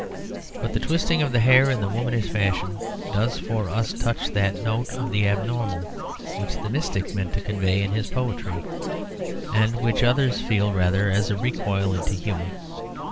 But the twisting of the hair in the womanish fashion does for us touch that note of the abnormal which the mystic meant to convey in his poetry, and which others feel rather as a recoil into humour.